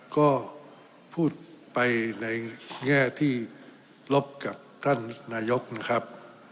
ก็พูดไปในแง่ที่ลบกับท่านนายกนะครับ